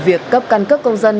việc cấp căn cứ công dân